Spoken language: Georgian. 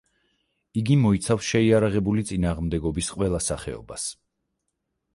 იგი მოიცავს შეიარაღებული წინააღმდეგობის ყველა სახეობას.